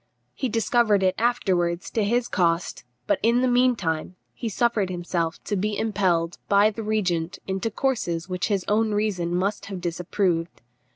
He discovered it afterwards to his cost, but in the meantime suffered himself to be impelled by the regent into courses which his own reason must have disapproved.